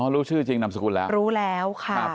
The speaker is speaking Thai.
อ๋อรู้ชื่อจริงนำสกุลแล้ว